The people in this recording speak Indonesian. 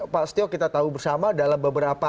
pak setio kita tahu bersama dalam beberapa